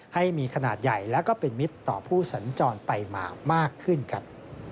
ให้มีขนาดใหญ่และก็เป็นมิตรต่อผู้สัญจรไปมามากขึ้นครับ